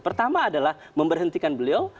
pertama adalah memberhentikan beliau